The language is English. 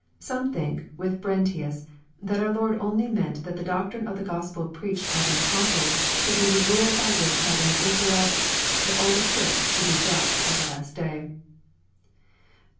Some think, with Brent ius, that our Lord only meant that the doctrine of the Grospel preached by the apostles, should be the rule by which not only Israel, but all the Church should be judged at the last day.